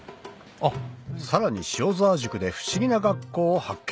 さらに塩沢宿で不思議な学校を発見